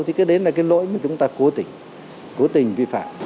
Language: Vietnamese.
thì cái đấy là cái lỗi mà chúng ta cố tỉnh cố tình vi phạm